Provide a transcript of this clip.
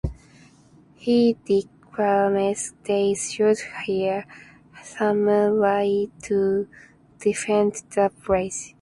He declares they should hire samurai to defend the village.